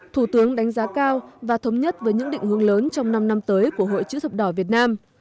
thủ tướng đánh giá cao và thống nhất với những định hướng lớn trong năm năm tới của hội chữ thập đỏ việt nam